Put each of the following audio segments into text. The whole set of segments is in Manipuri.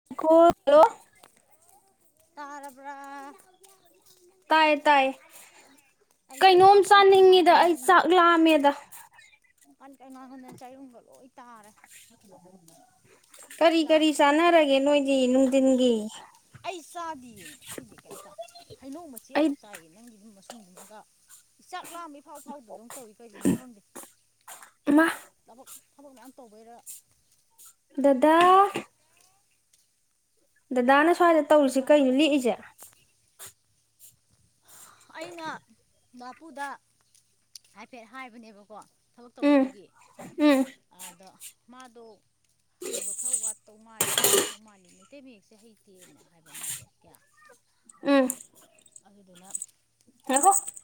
[unintelligible] [unintelligible] ꯇꯥꯔꯕ꯭ꯔꯥ ꯇꯥꯏꯌꯦ ꯇꯥꯏꯌꯦ ꯑꯩꯁꯦ ꯀꯩꯅꯣꯝ ꯋꯥ ꯀꯟ ꯀꯟ ꯆꯥꯅꯤꯡꯉꯤꯗ ꯑꯩ ꯉꯥꯡꯃꯟꯗꯅ ꯆꯥꯛ ꯂꯥꯝꯃꯦꯗ [unintelligible] ꯂꯣꯏ ꯇꯥꯔꯦ ꯀꯔꯤ ꯀꯔꯤ ꯌꯥꯁꯦ ꯂꯣꯏ ꯆꯧ ꯆꯥꯟꯅꯔꯒꯦ ꯅꯣꯏꯗꯤ ꯅꯨꯡꯊꯤꯟꯒꯤ ꯑꯩ ꯆꯥꯗꯤꯌꯦ ꯉꯁꯤꯗꯤ ꯀꯩꯝꯇ ꯍꯩꯅꯧ ꯃꯆꯦꯠ ꯑꯩ ꯑꯃꯈꯛ ꯆꯥꯏꯌꯦ ꯅꯪꯒꯤ ꯃꯁꯨꯡꯗꯨꯃꯒ ꯆꯥꯛ ꯂꯥꯝꯃꯤ ꯏꯐꯥꯎ ꯐꯥꯎꯗꯗꯧ ꯇꯧꯏ ꯀꯩꯒꯤꯅꯣ ꯈꯪꯗꯦ ꯃꯥ ꯊꯕꯛ ꯊꯕꯛ ꯃꯌꯥꯝ ꯇꯧꯕꯩꯔ ꯗꯗꯥ ꯗꯗꯥꯅ ꯁ꯭ꯋꯥꯏꯗ ꯇꯧꯔꯤꯨꯁꯤ ꯋꯥꯏꯑꯦꯕ ꯀꯩꯅ ꯂꯦꯛꯏꯁꯦ ꯑꯩꯅ ꯃꯄꯨꯗ ꯍꯥꯏꯐꯦꯠ ꯍꯥꯏꯕꯅꯦꯕꯀꯣ ꯊꯕꯛ ꯎꯝ ꯇꯧꯅꯕꯒꯤ ꯎꯝ ꯑꯗꯣ ꯃꯥꯗꯣ ꯍꯩꯕ ꯈꯔ ꯋꯥꯠꯇꯧ ꯃꯥꯜꯂꯤ ꯈꯣꯠꯇꯧ ꯃꯥꯜꯂꯤ ꯃꯩꯇꯩ ꯃꯌꯦꯛꯁꯦ ꯍꯩꯇꯦꯅ ꯍꯥꯏꯕ ꯃꯥꯁꯦ ꯀꯌꯥ ꯎꯝ ꯑꯗꯨꯗꯨꯅ [unintelligible]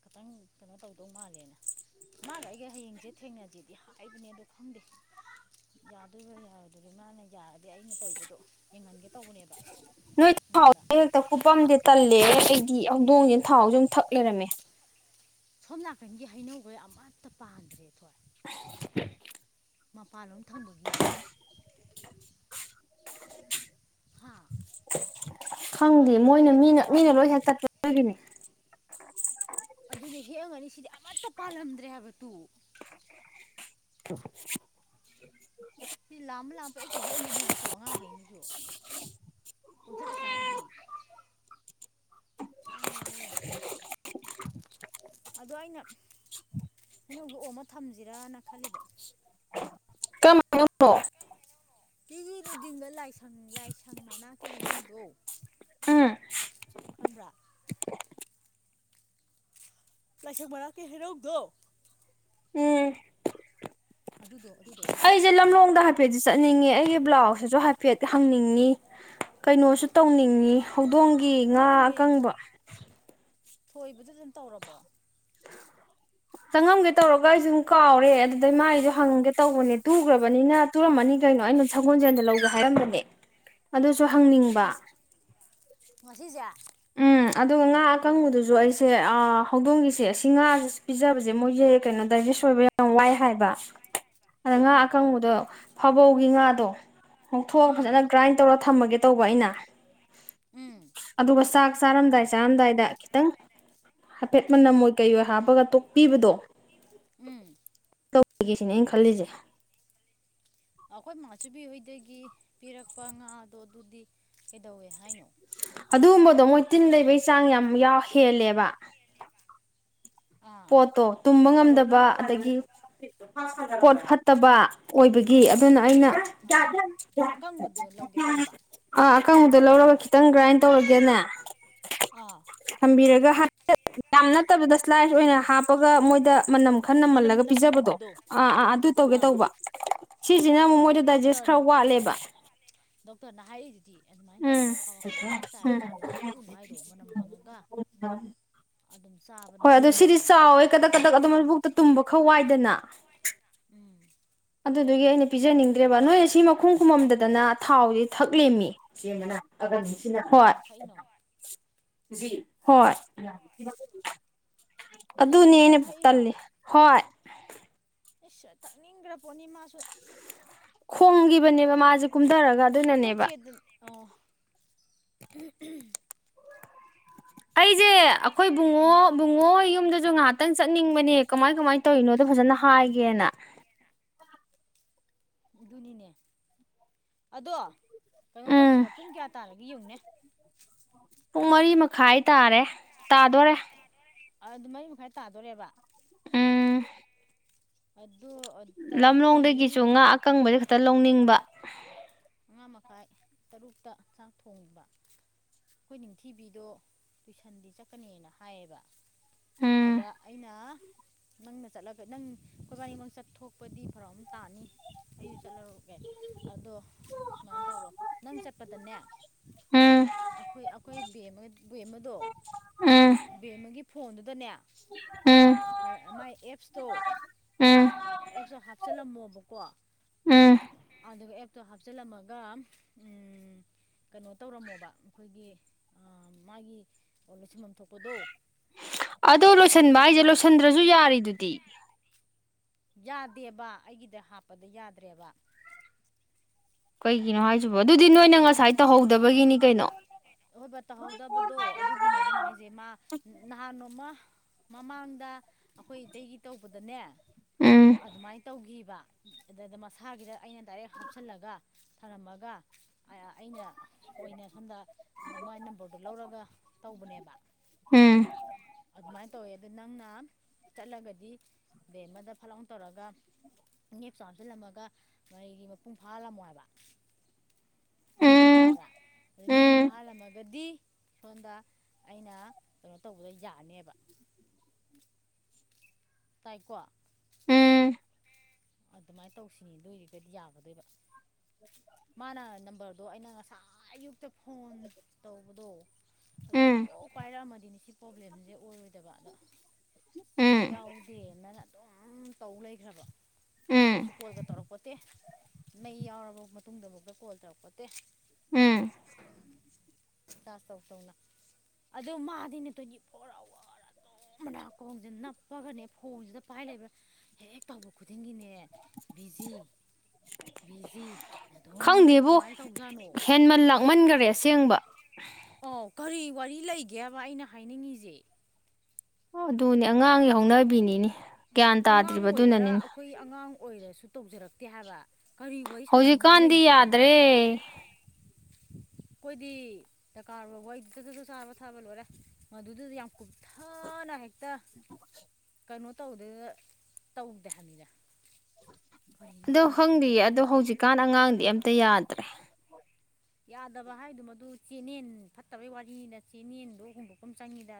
ꯈꯤꯇꯪ ꯀꯩꯅꯣ ꯇꯧꯗꯧ ꯃꯥꯜꯂꯦꯅ ꯃꯥꯒ ꯑꯩꯒ ꯍꯌꯦꯡꯁꯦ ꯊꯦꯡꯅꯁꯤꯗꯤ ꯍꯥꯏꯕꯅꯦ ꯑꯗꯣ ꯈꯪꯗꯦ ꯌꯥꯗꯣꯏꯔ ꯌꯥꯔꯣꯏꯗ꯭ꯔꯣꯏꯔ ꯃꯥꯅ ꯌꯥꯔꯗꯤ ꯑꯩꯅ ꯇꯧꯏꯕꯗꯣ ꯌꯦꯡꯍꯟꯒꯦ ꯇꯧꯕꯅꯦꯕ ꯃꯣꯏꯗꯥ [unintelligible] ꯀꯨꯄꯝꯗꯦ ꯇꯜꯂꯦ ꯑꯩꯗꯤ ꯍꯧꯗꯣꯡꯁꯤꯅ ꯊꯥꯎꯁꯦ ꯃꯨꯛ ꯊꯛ ꯂꯩꯔꯝꯃꯦ ꯁꯣꯝ ꯅꯥꯀꯟꯒꯤ ꯍꯩꯅꯧꯒꯩ ꯑꯃꯠꯇ ꯄꯥꯟꯗ꯭ꯔꯦ ꯑꯩꯈꫭꯏ ꯃꯄꯥꯟꯂꯣꯝ ꯊꯪꯕꯒꯤ ꯍꯥꯥ ꯈꯪꯗꯦ ꯃꯣꯏꯅ ꯃꯤꯅ ꯃꯤꯅ ꯂꯣꯏ ꯄꯥꯟꯗ꯭ꯔꯦ ꯍꯦꯛ [unintelligible] ꯑꯗꯨꯅꯦ ꯍꯦꯛꯑꯝꯒꯅꯤ ꯁꯤꯗꯤ ꯑꯃꯠꯇ ꯄꯥꯜꯂꯝꯗ꯭ꯔꯦ ꯍꯥꯏꯕ ꯇꯨ [inaudible] [inaudible] ꯁꯤ ꯂꯥꯝꯃ ꯂꯥꯝꯃ ꯄꯪꯍꯦꯛꯇ ꯍꯦꯛꯑꯝꯃꯅꯤꯕ ꯇꯨ ꯑꯉꯥꯡꯈꯩꯅꯁꯨ ꯄꯪꯆꯥ ꯆꯥꯕꯒꯤ ꯍꯣꯏ ꯑ ꯑꫭꯏꯕ ꯑꯗꯣ ꯑꯩꯅ ꯍꯩꯅꯣꯗꯣ ꯑꯣꯝꯃ ꯊꯝꯁꯤꯔꯅ ꯈꯜꯂꯤꯕ [unintelligible] ꯍꯩꯅꯧꯅꫭ [unintelligible] ꯂꯥꯏꯁꯪ ꯂꯥꯏꯁꯪ ꯃꯅꯥꯛꯀꯤ ꯍꯩꯅꯧꯗꯣ ꯎꯝ ꯈꯪꯕ꯭ꯔꯥ ꯂꯥꯏꯁꯪ ꯃꯅꯥꯛꯀꯤ ꯍꯩꯅꯧꯗꯣ ꯎꯝ ꯑꯗꯨꯗꯣ ꯑꯗꯨꯗꯣ ꯑꯗꯨꯗꯣ ꯑꯩꯁꯦ ꯂꯝꯂꯣꯡꯗ ꯍꯥꯏꯐꯦꯠꯇꯤ ꯆꯠꯅꯤꯡꯉꯦ ꯑꯩꯒꯤ ꯕ꯭ꯂꯥꯎꯁꯁꯤꯁꯨ ꯍꯥꯏꯐꯦꯠ ꯍꯪꯅꯤꯡꯉꯤ ꯀꯩꯅꯣꯁꯨ ꯇꯧꯅꯤꯡꯉꯤ ꯍꯧꯗꯣꯡꯒꯤ ꯉꯥ ꯑꯀꯪꯕ ꯊꯣꯏꯕꯗꯣ ꯑꯗꯨꯝ ꯇꯧꯔꯕꯣ ꯆꯪꯉꯝꯒꯦ ꯇꯧꯔꯒ ꯑꯩꯁꯨꯨꯝ ꯀꯥꯎꯔꯦ ꯑꯗꯨꯗꯩ ꯃꯥꯥꯏꯁꯨ ꯍꯪꯒꯦ ꯇꯧꯕꯅꯦ ꯇꯨꯈ꯭ꯔꯕꯅꯤꯅ ꯇꯨꯔꯝꯃꯅꯤ ꯀꯩꯅꯣ ꯑꯩꯅ ꯁꯒꯣꯜꯖꯦꯟꯗ ꯂꯧꯒꯦ ꯍꯥꯏꯔꯝꯕꯅꯦ [inaudible] ꯑꯗꯨꯁꯨ ꯍꯪꯅꯤꯡꯕ ꯉꯁꯤ ꯉꯁꯤꯁꯦ ꯎꯝ ꯑꯗꯨꯒ ꯉꯥ ꯑꯀꯪꯕꯗꯨꯁꯨ ꯑꯩꯁꯦ ꯑꯥ ꯍꯧꯗꯣꯡꯒꯤꯁꯦ ꯑꯁꯤ ꯉꯥ ꯄꯤꯖꯕꯁꯦ ꯃꯣꯏꯁꯦ ꯀꯩꯅꯣ ꯗꯥꯏꯖꯦꯁ ꯑꯣꯏꯕ ꯌꯥꯝ ꯋꯥꯏ ꯍꯥꯏꯕ ꯍꯥꯏ ꯍꯥꯏ ꯑ ꯉꯥ ꯑꯀꯪꯕꯗꯣ ꯐꯥꯕꯧꯒꯤ ꯉꯥꯗꯣ ꯉꯣꯡꯊꯣꯛꯑ ꯎꯝ ꯐꯖꯅ ꯒ꯭ꯔꯥꯏꯟ ꯇꯧꯔ ꯊꯝꯃꯒꯦ ꯇꯧꯕ ꯑꯩꯅ꯫ ꯎꯝ ꯑꯗꯨꯒ ꯆꯥꯛ ꯆꯥꯔꯝꯗꯥꯏ ꯆꯥꯔꯝꯗꯥꯏꯗ ꯈꯤꯇꯪ꯫ ꯍꯥꯏꯐꯦꯠ ꯎꯝ ꯃꯅꯝ ꯑꯣꯏ ꯀꯩꯑꯣꯏ ꯍꯥꯞꯄꯒ ꯇꯣꯛꯄꯤꯕꯗꯣ꯫ ꯎꯝ ꯇꯧꯒꯦ ꯁꯤꯅꯦ ꯑꯩꯅ ꯈꯜꯂꯤꯁꯦ꯫ ꯑꯩꯈꯣꯏ ꯃꯥꯁꯨꯕꯤꯍꯣꯏꯗꯒꯤ ꯄꯤꯔꯛꯄ ꯉꯥꯗꯣ ꯑꯗꯨꯗꯤ ꯀꯩꯗꯧꯋꯦ ꯍꯥꯏꯅꯣ꯫ ꯑꯗꯨꯒꯨꯝꯕꯗꯣ ꯃꯣꯏ ꯇꯤꯟ ꯂꯩꯕꯒꯤ ꯆꯥꯡ ꯌꯥꯝ ꯍꯦꯜꯂꯦꯕ꯫ ꯑꯥ ꯄꯣꯠꯇꯣ꯫ ꯇꯨꯝꯕ ꯉꯝꯗꯕ ꯑꯗꯒꯤ ꯄꯣꯠ ꯐꯠꯇꯕ ꯑꯣꯏꯕꯒꯤ ꯑꯗꯨꯅ ꯑꯩꯅ꯫ ꯑꯥ ꯑꯀꯪꯕꯗꯣ ꯂꯧꯒꯦ ꯇꯧꯕ [inaudible] ꯑꯥ ꯑꯀꯪꯕꯨꯨꯗ ꯂꯧꯔꯒ ꯈꯤꯇꯪ ꯒ꯭ꯔꯥꯏꯟ ꯇꯧꯔꯦꯗꯅ꯫ ꯑꯥ꯫ ꯊꯝꯕꯤꯔꯒ ꯍꯥꯏꯐꯦꯠ ꯌꯥꯝ ꯅꯠꯇꯕꯗ ꯁ꯭ꯂꯥꯏꯁ ꯑꯣꯏꯅ ꯍꯥꯞꯄꯒ ꯃꯣꯏꯗ ꯃꯅꯝ ꯈ ꯃꯅꯝ ꯅꯃꯜꯂꯒ ꯄꯤꯖꯕꯗꯣ ꯅꯝꯍꯟꯕꯗꯣ ꯑꯥ ꯑꯥ ꯑꯗꯨ ꯇꯧꯒꯦ ꯑꯥ ꯇꯧꯕ꯫ ꯁꯤꯁꯤꯅ ꯑꯃꯨꯛ ꯑꯗꯨ ꯃꯣꯏꯗ ꯗꯥꯏꯖꯦꯁ ꯗꯣꯛꯇꯔꯅ ꯈꯔ ꯋꯥꯠꯂꯦꯕ꯫ ꯗꯣꯛꯇꯔꯅ ꯍꯥꯏꯔꯥꯛꯏꯗꯨꯗꯤ ꯑꯗꯨꯃꯥꯏꯅ ꯎꯝ ꯇꯧꯔꯒ ꯀꯕ ꯀꯕꯛꯇꯪ ꯆꯥꯏꯔꯣ ꯎꯝ ꯌꯥꯝꯅꯁꯨ ꯇꯣꯠꯂꯨꯅꯨ ꯍꯥꯏꯗꯣ ꯃꯅꯝ ꯐꯪꯉꯒ ꯑꯗꯨꯝ ꯆꯥꯕꯅꯤ ꯍꯣꯏ ꯑꯗꯣ ꯍꯥꯏꯗꯣ ꯁꯤꯗꯤ ꯃꯣꯏꯗꯤ꯫ ꯆꯥꯎꯋꯦ ꯀꯗꯛ ꯀꯗꯛ ꯑꯗꯨꯝꯕꯣꯛꯇ ꯇꯨꯝꯕ ꯈꯥ ꯋꯥꯏꯗꯅ꯫ ꯎꯝ꯫ ꯑꯗꯨꯗꯨꯒꯤ ꯑꯩꯅ ꯄꯤꯖꯅꯤꯡꯗ꯭ꯔꯦꯕ ꯅꯣꯏ ꯁꯤ ꯃꯈꯨꯝ ꯈꯨꯨꯝꯃꯝꯗꯗꯅ ꯊꯥꯎꯁꯤ ꯊꯛ ꯂꯦꯝꯃꯤ ꯁꯤꯅ ꯐꯒꯟꯁꯤꯅ ꯍ‌ꯣꯏ꯫ ꯀꯅꯥꯅ ꯊꯛꯏꯅꯣ ꯍꯣꯏ [unintelligible] ꯑꯗꯨꯅꯦ ꯂꯂꯩꯕꯤꯅ ꯑꯩꯅ ꯊꯛꯏꯔꯣ ꯇꯜꯂꯤ ꯍꯣꯏ ꯏꯁ ꯇꯛꯅꯤꯡꯈ꯭ꯔꯄ‌ꯣꯠꯅꯤ ꯃꯥꯁꯨ꯫ ꯈꯨꯡꯈꯤꯕꯅꯦꯕ ꯃꯥꯖ‌‌ꯦ꯫ ꯑꯩꯈꯣꯏ ꯆꯦꯗ ꯑꯣ ꯎꯝ ꯎꯝ꯫ ꯑꯩꯖ‌ꯦ ꯑꯈꯣꯏ ꯕꯨꯡꯉꯣ꯫ ꯎꯝ ꯕꯨꯡꯉꯣ ꯍ‌ꯣꯏ ꯌꯨꯝꯗꯖꯨ ꯉꯥꯍꯥꯛꯇꯪ ꯆꯠꯅꯤꯡꯕꯅꯦ ꯀꯃꯥꯏ ꯀꯃꯥꯏꯅ ꯇꯧꯔꯤꯅꯣꯗꯣ ꯐꯖꯅ ꯍꯥꯏꯒꯦꯅ꯫ ꯑꯗꯨꯅꯤꯅꯦ ꯑꯗꯣ ꯀꯩꯅꯣ ꯎꯝ ꯇꯧꯁꯤꯔꯣ ꯄꯨꯡ ꯀꯌꯥ ꯇꯥꯔꯒꯦ ꯌꯦꯡꯉꯨꯅꯦ꯫ ꯄꯨꯡ ꯃꯔꯤ ꯃꯈꯥꯏ ꯇꯥꯔꯦ ꯇꯥꯗꯣꯔꯦ꯫ ꯑꯗꯨ ꯃꯔꯤ ꯃꯈꯥꯏ ꯇꯥꯗꯣꯔꯦꯕ꯫ ꯎꯝ꯫ ꯑꯗꯨ ꯑ ꯂꯝꯂꯣꯡꯗꯒꯤꯁꯨ ꯉꯥ ꯑꯀꯪꯕ ꯈꯤꯇ ꯂꯧꯅꯤꯡꯕ ꯃꯉꯥ ꯃꯈꯥꯏ ꯇꯔꯨꯛꯇ ꯆꯥꯛ ꯊꯣꯡꯕ꯫ ꯑꯩꯈꯣꯏ ꯅꯤꯡꯊꯤꯕꯤꯗꯣ ꯇꯨꯏꯁꯟꯗꯤ ꯆꯠꯀꯅꯦꯅ ꯍꯥꯏꯌꯦꯕ꯫ ꯎꯝ ꯑꯗ ꯑꯩꯅ ꯅꯪꯅ ꯆꯠꯂꯒ ꯅꯪ ꯈ‌ꯣꯏꯕꯥꯅꯤꯃꯛ ꯆꯠꯊ‌ꯣꯛ ꯄꯗꯤ ꯐꯔꯛ ꯑꯃ ꯇꯥꯅꯤ ꯑꯩꯖꯨ ꯆꯠꯂꯔ‌ꯣꯏꯒꯦ꯫ ꯑꯗꯣ ꯁꯨꯃꯥꯏꯅ ꯇꯧꯔꯣ ꯅꯪ ꯆꯠꯄꯗꯅꯦ꯫ ꯎꯝ ꯑꯩꯈꯣꯏ ꯑꯩꯈꯣꯏ ꯕꯦꯝꯃ ꯕꯦꯝꯃꯗꯣ ꯎꯝ ꯕꯦꯝꯃꯒꯤ ꯐꯣꯟꯗꯨꯗꯅꯦ꯫ ꯎꯝ꯫ ꯃꯥꯏ ꯑꯦꯞꯁꯇꯣ ꯎꯝ ꯑꯦꯞꯁꯇꯣ ꯍꯥꯞꯆꯜꯂꯝꯃꯣꯕꯀꯣ꯫ ꯎꯝ꯫ ꯑꯗꯨꯒ ꯑꯦꯞꯇꯣ ꯍꯥꯞꯆꯤꯜꯂꯝꯃꯒ ꯎꯝ꯫ ꯀꯩꯅꯣ ꯇꯧꯔꯝꯃꯣꯕ ꯑꯈꯣꯏꯒꯤ ꯑ ꯃꯥꯒꯤ꯫ ꯑꯣ ꯂ‌ꯣꯏꯁꯟꯕꯝ ꯊꯣꯛꯄꯗꯣ꯫ ꯑꯗꯣ ꯑꯗꯨ ꯂꯣꯏꯁꯟꯕ ꯍꯥꯏꯁꯦ ꯂꯣꯏꯁꯤꯜꯂꯝꯃꯣ ꯂꯣꯏꯁꯟꯗ꯭ꯔꯖꯨ ꯌꯥꯔꯤꯗꯨꯗꯤ꯫ ꯌꯥꯗꯦꯕ ꯑꯩꯒꯤꯗ ꯍꯥꯞꯄꯗ ꯌꯥꯗ꯭ꯔꯦꯕ꯫ ꯀꯩꯒꯤꯅꯣ ꯍꯥꯏꯖꯤꯕ‌‍ꯣ ꯑꯩꯒꯤꯗ ꯗꯨꯗꯤ ꯍꯥꯞꯄꯗ ꯅꯣꯏꯅ ꯉꯁꯥꯏ ꯇꯧꯍꯧꯗꯕꯒꯤꯅꯤ ꯀꯩꯅꯣ꯫ ꯍꯣꯏꯕ ꯇꯍꯧꯗꯕꯗꯣ ꯑꯗꯨꯒꯤꯅꯦ ꯑꯩꯅ ꯍꯥꯏꯖ‌ꯦ ꯃꯥ ꯅꯍꯥꯟ ꯅ‌ꯣꯡꯃ ꯃꯃꯥꯡꯗ ꯑꯩꯈꯣꯏ ꯏꯇꯩꯒꯤ ꯇꯧꯕꯗꯅꯦ ꯎꯝ ꯑꯗꯨꯃꯥꯏꯅ ꯇꯧꯈꯤꯕ ꯑꯗꯨꯗ ꯃꯁꯥꯒꯤꯗ ꯑꯩꯅ ꯗꯥꯏꯔꯦꯛ ꯍꯥꯞꯆꯜꯂꯒ ꯊꯔꯝꯃꯒ ꯑꯩꯅ ꯑꯣꯏꯅ ꯁꯣꯝꯗ ꯃꯥꯏ ꯅꯝꯕꯔꯗꯣ ꯂꯧꯔꯒ ꯇꯧꯕꯅꯦꯕ ꯎꯝ ꯑꯗꯨꯃꯥꯏꯅ ꯇꯧꯋꯦ ꯑꯗꯨ ꯅꯪꯅ ꯆꯠꯂꯒꯗꯤ ꯕꯦꯝꯃꯗ ꯐꯠꯂꯥꯎ ꯇꯧꯔꯒ ꯑ‌ꯦꯞꯁꯇ‌ꯣ ꯍꯥꯝꯆꯜꯂꯝꯃꯒ ꯃꯍꯩꯒꯤ ꯃꯄꯨꯡ ꯐꯥꯍꯜꯂꯝꯃꯣ ꯍꯥꯏꯕ ꯒ꯭ꯌꯥꯟ ꯎꯝ ꯇꯥꯕ꯭ꯔꯥ ꯑꯗꯩ ꯃꯄꯨꯡ ꯎꯝ ꯐꯥꯍꯜꯂꯝꯃꯒꯗꯤ ꯁꯣꯝꯗ ꯑꯩꯅ ꯀꯩꯅꯣ ꯇꯧꯕꯗ ꯌꯥꯅꯦꯕ ꯇꯥꯏꯀꯣ ꯎꯝ ꯑꯗꯨꯃꯥꯏꯅ ꯇꯧꯁꯦ ꯅꯣꯏꯖꯤꯒꯗꯤ ꯌꯥꯒꯗꯣꯏꯕ ꯃꯥꯅ ꯅꯝꯕꯔꯗꯣ ꯑꯩꯅ ꯑꯥꯏ ꯑꯌꯨꯛꯇ ꯐꯣꯟ ꯇꯧꯕꯗꯣ ꯑꯗꯨꯗ ꯎꯝ ꯀ‌ꯣꯛ ꯄꯥꯏꯔꯛꯑꯝꯃꯗꯤꯅ‌ꯦ ꯁꯤ ꯄ꯭ꯔꯣꯕ꯭ꯂꯦꯝꯖ‌ꯦ ꯑꯣꯏꯔꯣꯏꯗꯕ ꯑꯗꯣ ꯎꯝ ꯃꯩ ꯌꯥꯎꯗꯦꯅ ꯑꯗꯨꯝ ꯇꯧ ꯂꯩꯈ꯭ꯔꯕ ꯎꯝ ꯑꯗꯨꯁꯨ ꯀꯣꯜꯒ ꯇꯧꯔꯛꯄꯣꯠꯇꯦ ꯃꯩ ꯌꯥꯎꯔꯕ ꯃꯇꯨꯡꯗ ꯕꯨꯛꯇ ꯀꯣꯜ ꯇꯧꯔꯛꯄꯣꯠꯇꯦ ꯎꯝ ꯎꯝ ꯆꯥꯔꯁ ꯇꯧ ꯇꯧꯅ ꯑꯗꯣ ꯃꯥꯗꯤꯅꯦ ꯇ꯭ꯋꯦꯟꯇꯤ ꯐꯣꯔ ꯑꯋꯥꯔ ꯑ ꯗꯨꯝ ꯃꯅꯥꯀꯣꯡꯁꯦ ꯅꯞꯄꯒꯅꯦ ꯐꯣꯡꯁꯤꯗ ꯄꯥꯏ ꯂꯩꯕ꯭ꯔ ꯍꯦꯛ ꯇꯧꯕ ꯈꯨꯗꯤꯡꯒꯤꯅꯦ ꯕꯤꯖꯤ ꯕꯤꯖꯤ ꯑꯗꯨꯝ ꯂꯩ ꯈꯪꯗꯦꯕꯣ ꯀꯃꯥꯏꯅ ꯇꯧꯖꯥꯠꯅꯣ ꯍꯦꯟꯃꯟ ꯂꯥꯛꯃꯟꯈꯔꯦ ꯑꯁꯦꯡꯕ ꯑꯣ ꯀꯔꯤ ꯋꯥꯔꯤ ꯂꯩꯒꯦꯕ ꯑꯩꯅ ꯍꯥꯏꯅꯤꯡꯉꯤꯁꯦ ꯑꯣ ꯑꯗꯨꯅꯦ ꯑꯉꯥꯡꯒꯤ ꯍꯧꯅꯕꯤꯅꯤꯅꯦ ꯒ꯭ꯌꯥꯟ ꯑꯉꯥꯡ ꯇꯥꯗ꯭ꯔꯤꯕ ꯑꯣꯏꯒꯦꯔꯥ ꯑꯗꯨꯅꯅꯤꯅ ꯑꯩꯈꯣꯏ ꯑꯉꯥꯡ ꯑꯣꯏꯔꯁꯨ ꯇꯧꯖꯔꯛꯇꯦ ꯍꯥꯏꯕ ꯀꯔꯤ ꯋꯥꯔꯤ ꯁꯥꯟꯅꯅꯤꯡꯉꯥꯏ ꯍꯧꯖꯤꯛꯀꯥꯟꯗꯤ ꯂꯩꯒꯦ ꯍꯥꯏꯕ ꯌꯥꯗ꯭ꯔꯦ ꯑꯩꯈꯣꯏꯗꯤ ꯗꯀꯥꯔ ꯑꯣꯏꯕ ꯋꯥꯔꯤ [unintelligible] ꯁꯥꯕ ꯁꯥꯕ ꯂꯣꯏꯔꯦ ꯃꯗꯨꯗꯨꯗ ꯌꯥꯝ ꯀꯨꯞꯊꯅ ꯍꯦꯛꯇ ꯀꯩꯅꯣ ꯇꯧꯗꯅ ꯇꯧꯗꯦ ꯍꯥꯏꯕꯅꯤꯅ ꯑꯗꯣ ꯈꯪꯗꯤꯌꯦ ꯑꯗꯣ ꯈꯪꯗꯦ ꯍꯧꯖꯤꯛꯀꯥꯟ ꯑꯉꯥꯡꯗꯤ ꯑꯝꯇ ꯌꯥꯗ꯭ꯔꯦ ꯌꯥꯗꯕ ꯍꯥꯏꯗꯣ ꯃꯗꯨ ꯆꯦꯅꯦꯟ ꯐꯠꯇꯕꯩ ꯋꯥꯔꯤꯅꯗ ꯆꯦꯅꯦꯟꯗꯣ ꯍꯣꯡꯗꯣꯛꯄꯥꯝ ꯆꯪꯉꯤꯗ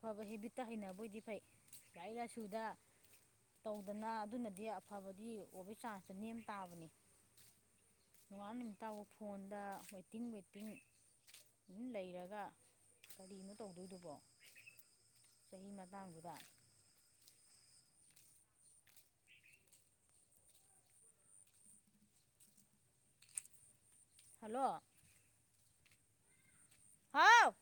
ꯑꯐꯕ ꯍꯦꯕꯤꯠꯇ ꯍꯩꯅꯕ ꯑꯣꯏꯗꯤ ꯐꯩ ꯂꯥꯏꯔꯤꯛ ꯂꯥꯏꯁꯨꯗ ꯇꯧꯗꯅ ꯑꯗꯨꯅꯗꯤ ꯑꯐꯕꯗꯤ ꯑꯣꯏꯕꯒꯤ ꯆꯥꯟꯁ ꯅꯦꯝ ꯇꯥꯕꯅꯤ ꯅꯣꯉꯥꯡꯕꯗꯩ ꯅꯨꯃꯤꯠ ꯇꯕꯧ ꯐꯣꯟꯗ ꯋꯦꯇꯤꯡ ꯋꯦꯇꯤꯡ ꯑꯗꯨꯝ ꯂꯩꯔꯒ ꯀꯔꯤꯅꯣ ꯇꯧꯗꯣꯏꯗꯨꯕꯣ? ꯆꯍꯤ ꯃꯇꯥꯡꯗꯨꯗ ꯍꯜꯂꯣ ꯍꯥꯥꯎ